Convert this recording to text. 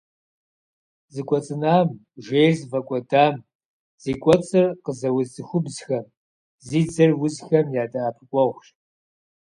Зэкӏуэцӏынам, жейр зыфӏэкӏуэдам, зи кӏуэцӏыр къызэуз цӏыхубзхэм, зи дзэр узхэм я дэӏэпыкъуэгъущ.